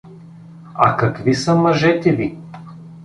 А какви са мъжете ви?